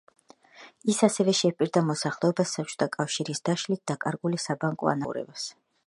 ის ასევე შეჰპირდა მოსახლეობას საბჭოთა კავშირის დაშლით დაკარგული საბანკო ანაბრების თანხების ანაზღაურებას.